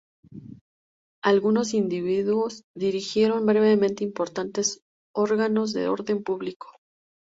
Algunos individuos dirigieron brevemente importantes órganos de orden público.